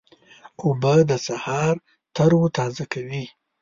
اوبه د سهار تروتازه کوي.